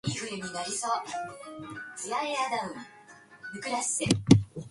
His uncle was an Orthodox priest.